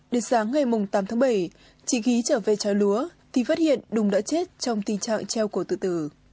đến sáng ngày tám tháng bảy chị ghé trở về trái lúa thì phát hiện đùng đã chết trong tình trạng treo cổ tự tử